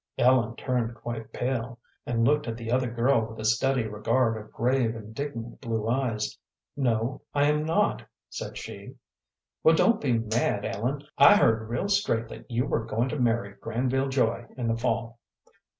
Ellen turned quite pale, and looked at the other girl with a steady regard of grave, indignant blue eyes. "No, I am not," said she. "Well, don't be mad, Ellen. I heard real straight that you were going to marry Granville Joy in the fall."